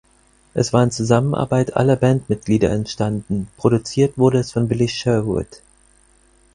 Es war in Zusammenarbeit aller Bandmitglieder entstanden, produziert wurde es von Billy Sherwood.